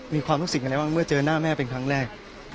มีความรู้สึกอะไรบ้างเมื่อเจอหน้าแม่เป็นครั้งแรก